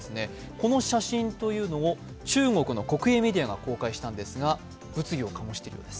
この写真というのも、中国の国営メディアが公開したんですが物議を醸しているんです。